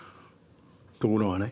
ところがね